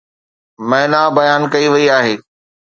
معنيٰ بيان ڪئي وئي آهي.